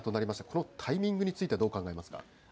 このタイミングについてどう考えますか。